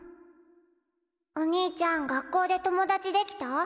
お兄ちゃん学校で友達できた？